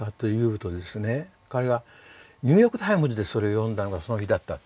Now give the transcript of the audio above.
彼が「ニューヨーク・タイムズ」でそれを読んだのがその日だったと。